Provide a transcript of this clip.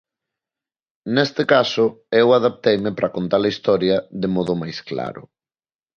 Neste caso, eu adapteime para contar a historia de modo máis claro.